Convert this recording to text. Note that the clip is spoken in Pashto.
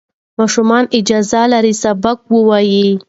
ماشومان اجازه لري سبق ووایي.